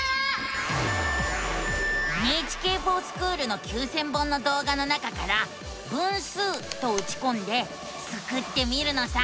「ＮＨＫｆｏｒＳｃｈｏｏｌ」の９，０００本の動画の中から「分数」とうちこんでスクってみるのさ！